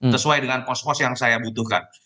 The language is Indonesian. sesuai dengan pos pos yang saya butuhkan